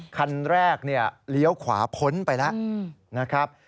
คันแรกเลี้ยวขวาพ้นไปแล้วนะครับ